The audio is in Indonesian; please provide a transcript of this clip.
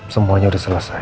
semuanya sudah selesai